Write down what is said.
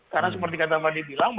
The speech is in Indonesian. karena seperti kata pak adli bilang